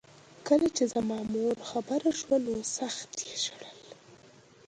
کله چې زما مور خبره شوه نو سخت یې ژړل